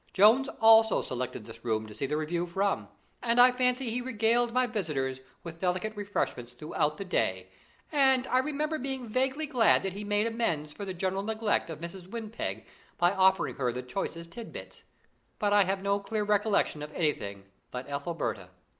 Jones also selected this room to see the Review from, and I fancy he regaled my visitors with delicate refreshments throughout the day, and I remember being vaguely glad that he made amends for the general neglect of Mrs. Windpeg by offering her the choicest titbits; but I have no clear recollection of anything but Ethelberta.